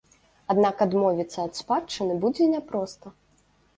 Аднак адмовіцца ад спадчыны будзе няпроста.